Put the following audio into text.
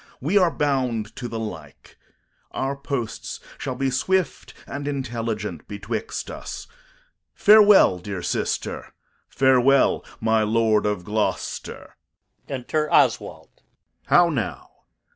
We are bound to the like. Our posts shall be swift and intelligent betwixt us. Farewell, dear sister; farewell, my Lord of Gloucester. Enter [Oswald the] Steward. How now?